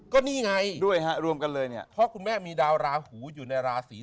ก็นี่ไงด้วยฮะรวมกันเลยเนี่ยเพราะคุณแม่มีดาวราหูอยู่ในราศี